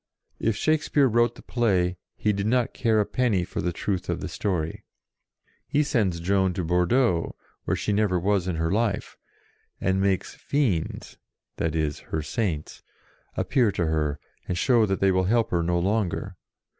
If Shakespeare wrote the play, he did not care a penny for the truth of the story. He sends Joan to Bordeaux, where she never was in her life, and makes "Fiends" (that is, her Saints) appear to her, and show that they will help her no longer.